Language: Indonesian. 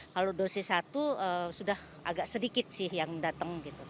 kalau dosis satu sudah agak sedikit sih yang datang gitu